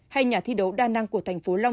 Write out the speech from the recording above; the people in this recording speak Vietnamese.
hay nhà thi đấu đa năng của thành phố an giang